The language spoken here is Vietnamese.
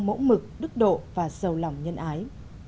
mẫu mực đức độ và sầu lòng nhân ái